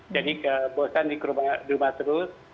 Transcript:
jadi bosan di rumah terus